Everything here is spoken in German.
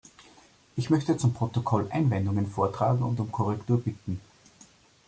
Ich möchte zum Protokoll Einwendungen vortragen und um Korrektur bitten.